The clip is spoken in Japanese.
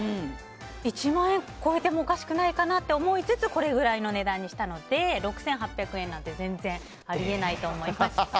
１万円超えてもおかしくないかなと思いつつこれくらいの値段にしたので６８００円なんて全然ありえないと思いました。